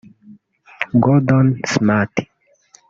Gordon Smart